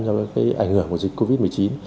do ảnh hưởng của dịch covid một mươi chín